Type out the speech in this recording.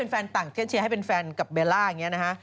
แฟนต่างเที่ยวเชียร์ให้เป็นแฟนกับเบลล่าอย่างนี้นะฮะ